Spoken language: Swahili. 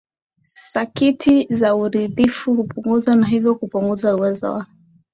sakiti za uridhifu hupunguzwa na hivyo kupunguza uwezo wa